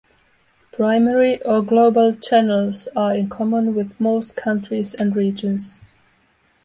Primary or global channels are in common with most countries and regions.